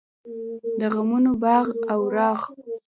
د غمونو باغ او راغ.